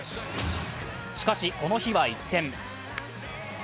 しかし、この日は一転。